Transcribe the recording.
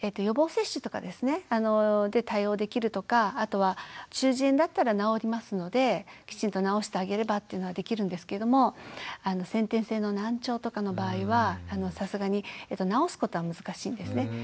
予防接種とかで対応できるとかあとは中耳炎だったら治りますのできちんと治してあげればっていうのができるんですけれども先天性の難聴とかの場合はさすがに治すことは難しいんですね。